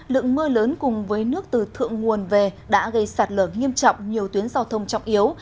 lượng mưa lớn cùng với nước từ thượng nguồn về đã gây sạt lở nghiêm trọng nhiều tuyến giao thông trọng yếu